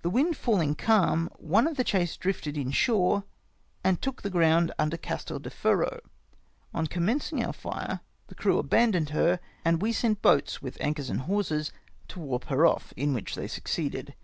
The wind falling calm, one of the chase drifted in shore, and took the ground under Castel De Ferro. On commencing our fire, the crew aLandoned her, and we sent boats with anchors and hawsers to warp her off, in which they succeeded.